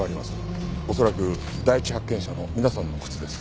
恐らく第一発見者の皆さんの靴です。